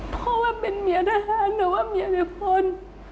เพราะว่าเป็นเมียทหารหรือว่าเมียหรือคน